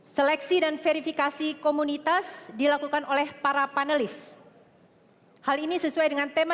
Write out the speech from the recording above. seleksi dan verifikasi komunitas dilakukan oleh para panelis hal ini sesuai dengan tema